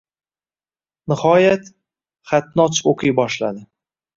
Nihoyat, xatni ochib o`qiy boshladi